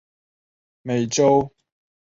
美洲鳄比美国短吻鳄对于低温更敏感。